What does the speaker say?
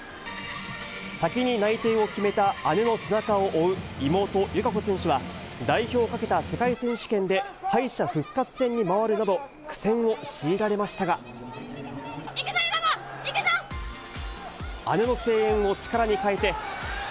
先に内定を決めた姉の背中を追う妹、友香子選手は、代表をかけた世界選手権で敗者復活戦に回るなど、苦戦を強いられいくぞ友香子！